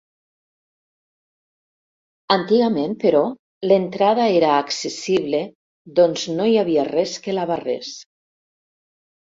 Antigament, però, l'entrada era accessible doncs no hi havia res que la barrés.